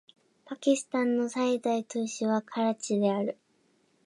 パキスタンの最大都市はカラチである